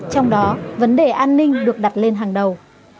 trong đó vấn đề an ninh được đặt lên hàng đầu